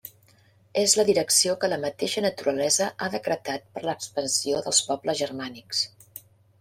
És la direcció que la mateixa naturalesa ha decretat per l'expansió dels pobles germànics.